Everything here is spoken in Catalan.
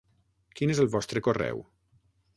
Quin és el vostre correu?